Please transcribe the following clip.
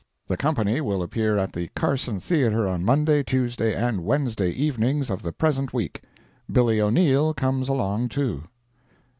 The Company will appear at the Carson Theatre on Monday, Tuesday and Wednesday evenings of the present week. Billy O'Neil comes along, too.